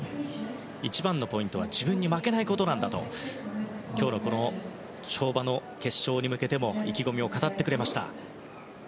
一番のポイントは自分に負けないことなんだと今日の跳馬の決勝に向けても意気込みを語ってくれました。